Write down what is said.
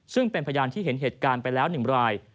ซึ่งเป็นพยานที่เห็นเหตุการณ์ไปแล้ว๑ราย